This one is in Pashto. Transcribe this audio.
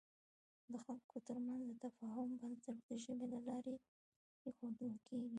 د خلکو تر منځ د تفاهم بنسټ د ژبې له لارې اېښودل کېږي.